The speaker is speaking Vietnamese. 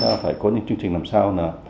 chúng ta phải có những chương trình làm sao